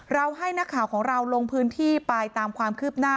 ให้นักข่าวของเราลงพื้นที่ไปตามความคืบหน้า